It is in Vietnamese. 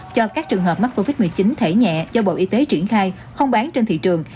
cho các trường hợp mắc covid một mươi chín thẻ nhẹ do bộ y tế triển khai không bán trên thị trường